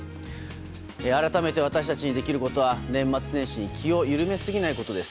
改めて私たちにできることは年末年始に気を緩めすぎないことです。